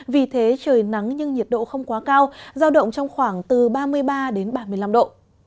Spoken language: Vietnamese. vì thế trời nắng nhưng nhiệt độ không quá cao giao động trong khoảng từ ba mươi ba đến ba mươi năm độ